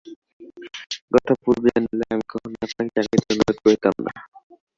এ কথা পূর্বে জানিলে আমি কখনোই আপনাকে চা খাইতে অনুরোধ করিতাম না।